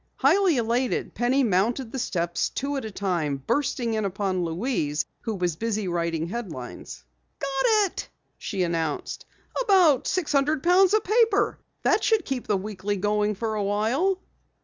Highly elated, Penny mounted the steps two at a time, bursting in upon Louise who was busy writing headlines. "Got it!" she announced. "About six hundred pounds of paper. That should keep the Weekly going for awhile."